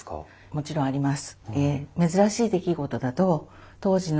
もちろんあります。